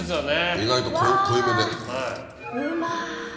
意外と濃いめで。